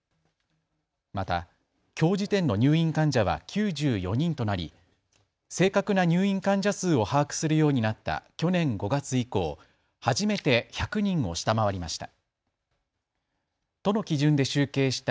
また、きょう時点の入院患者は９４人となり正確な入院患者数を把握するようになった去年５月以降、初めて１００人を下回りました。